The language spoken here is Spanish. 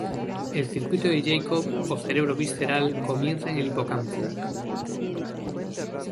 El circuito de Jakob o cerebro visceral comienza en el hipocampo.